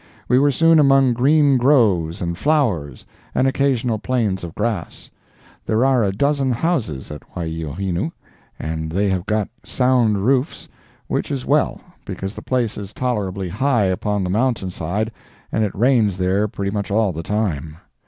We were soon among green groves and flowers and occasional plains of grass. There are a dozen houses at Waiohinu, and they have got sound roofs, which is well, because the place is tolerably high upon the mountainside and it rains there pretty much all the time.